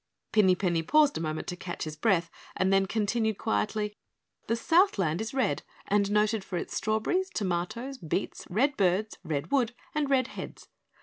'" Pinny Penny paused a moment to catch his breath and then continued quietly: "The Southland is red and noted for its strawberries, tomatoes, beets, red birds, red wood, and red heads.